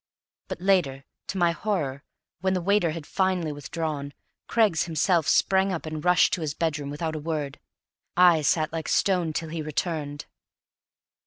But later, to my horror, when the waiter had finally withdrawn, Craggs himself sprang up and rushed to his bedroom without a word. I sat like stone till he returned.